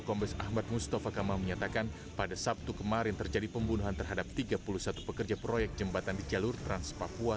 kombes ahmad mustafa kamal menyatakan pada sabtu kemarin terjadi pembunuhan terhadap tiga puluh satu pekerja proyek jembatan di jalur trans papua